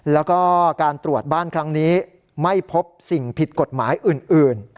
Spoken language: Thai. แล้วก็การตรวจบ้านครั้งนี้ไม่พบสิ่งผิดกฎหมายอื่น